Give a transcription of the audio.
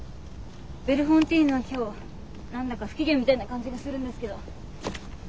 ベルフォンティーヌは今日何だか不機嫌みたいな感じがするんですけど。